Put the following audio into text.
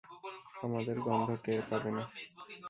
আমাদের গন্ধ টের পাবে না!